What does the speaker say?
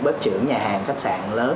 bếp trưởng nhà hàng khách sạn lớn